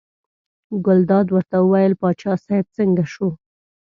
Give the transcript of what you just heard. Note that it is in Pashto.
ګلداد ورته وویل باچا صاحب څنګه شو.